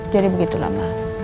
jadi begitu lah ma